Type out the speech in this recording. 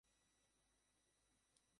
আমার অর্ডারের কী হলো?